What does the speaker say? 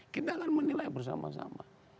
kita akan menilai bersama sama